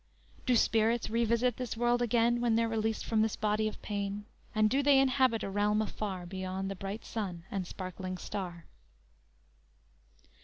_Do spirits revisit this world again When they're released from this body of pain, And do they inhabit a realm afar Beyond the bright sun and sparkling star?